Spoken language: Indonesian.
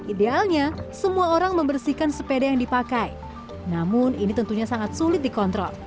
idealnya semua orang membersihkan sepeda yang dipakai namun ini tentunya sangat sulit dikontrol